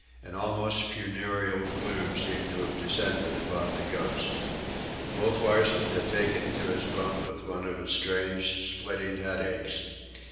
An almost funereal gloom seemed to have descended upon the Ghost. Wolf Larsen had taken to his bunk with one of his strange, splitting headaches.